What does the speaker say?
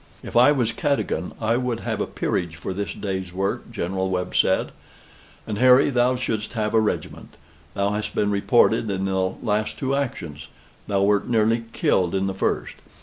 "If I was Cadogan, I would have a peerage for this day's work," General Webb said; "and, Harry, thou shouldst have a regiment. Thou hast been reported in the last two actions: thou wert near killed in the first.